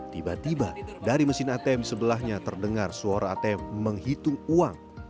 tiba tiba dari mesin atm sebelahnya terdengar suara atm menghitung uang